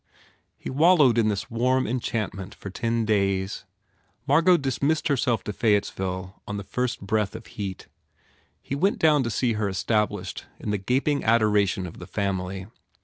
He wallowed in this warm enchantment for ten days. Margot dismissed herself to Fayettesville on the first breath of heat. He went down to see her established in the gaping adoration of the family.